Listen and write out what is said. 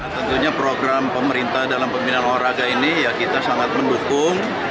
tentunya program pemerintah dalam pembinaan olahraga ini ya kita sangat mendukung